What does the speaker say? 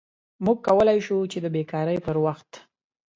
موږ کولی شو چې د بیکارۍ پر وخت